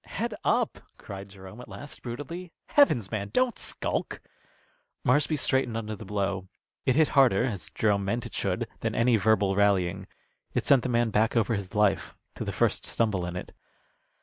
"Head up!" cried Jerome at last, brutally. "Heavens, man, don't skulk!" Marshby straightened under the blow. It hit harder, as Jerome meant it should, than any verbal rallying. It sent the man back over his own life to the first stumble in it.